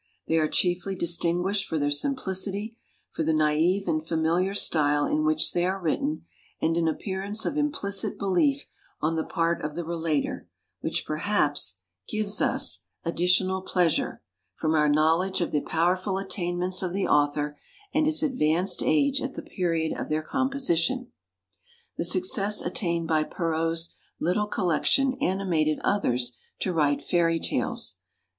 They are chiefly distinguished for their simplicity, for the naive and familiar style in which they are written, and an appearance of implicit belief on the part of the relater, which, perhaps, gives us G68655 PREFACE additional pleasure, from our knowledge of the powerful attainments of the author, and his ad vanced age at the period of their composition.' The success attained by Perrault's little collection animated others to write Fairy Tales.